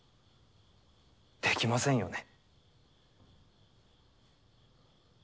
できませんよね。